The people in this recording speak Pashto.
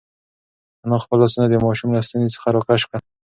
انا خپل لاسونه د ماشوم له ستوني څخه راکش کړل.